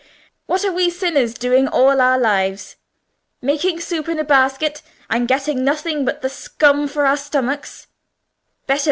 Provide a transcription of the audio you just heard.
what are we sinners doing all our lives? Making soup in a basket, and getting nothing but the scum for our stomachs.